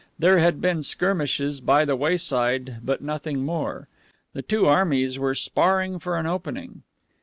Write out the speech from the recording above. There had been skirmishes by the wayside, but nothing more. The two armies were sparring for an opening.